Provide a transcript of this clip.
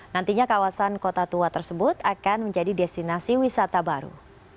nantinya kawasan kota tua tersebut akan menjadi destinasi wisata baru